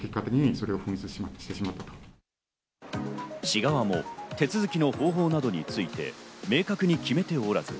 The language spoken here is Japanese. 市側も手続きの方法等について明確に決めておらず、